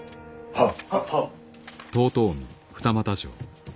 はっ。